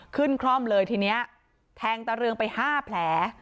ขึ้นคร่อมเลยทีเนี้ยแทงตาเรืองไปห้าแผล